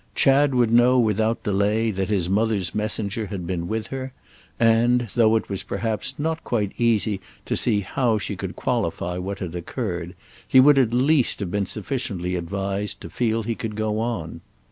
Chad would know without delay that his mother's messenger had been with her, and, though it was perhaps not quite easy to see how she could qualify what had occurred, he would at least have been sufficiently advised to feel he could go on.